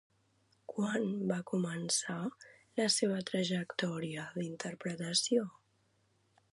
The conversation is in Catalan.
Quan va començar la seva trajectòria d'interpretació?